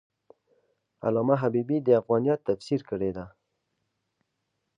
علامه حبیبي د افغانیت تفسیر کړی دی.